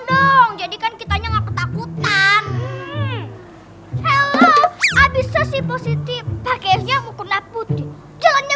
dong jadikan kitanya nggak ketakutan hello abis sesi positif pakainya mukuna putih jalannya